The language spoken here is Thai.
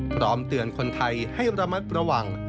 พร้อมเตือนคนไทยให้ระมัดระวัง